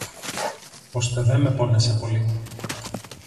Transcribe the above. Ώστε δε με πόνεσε πολύ